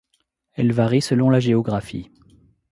Elle varie selon la géographie.